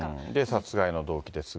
殺害の動機ですが。